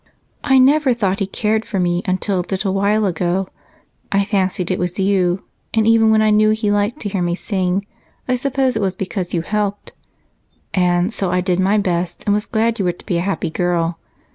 "I never thought he cared for me until a little while ago. I fancied it was you, and even when I knew he liked to hear me sing I supposed it was because you helped, and so I did my best and was glad you were to be a happy girl.